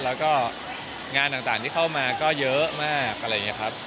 แล้วก็งานต่างที่เข้ามาก็เยอะมากอะไรอย่างนี้ครับ